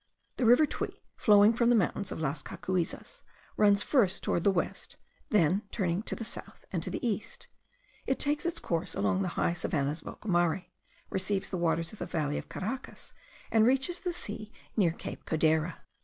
The Rio Tuy, flowing from the mountains of Las Cocuyzas, runs first towards the west, then turning to the south and to the east, it takes its course along the high savannahs of Ocumare, receives the waters of the valley of Caracas, and reaches the sea near cape Codera.